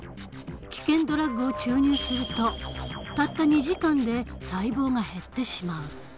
危険ドラッグを注入するとたった２時間で細胞が減ってしまう。